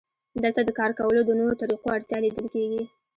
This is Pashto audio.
دلته د کار کولو د نویو طریقو اړتیا لیدل کېږي